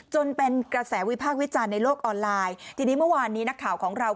จนเป็นกระแสวิพากษ์วิจารณ์ในโลกออนไลน์ทีนี้เมื่อวานนี้นักข่าวของเรา